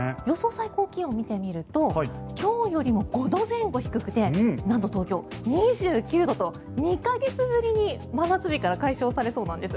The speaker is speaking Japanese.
最高気温を見てみると今日よりも５度前後低くてなんと東京、２９度と２か月ぶりに真夏日から解消されそうなんです。